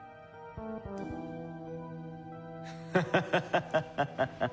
ハハハハハ。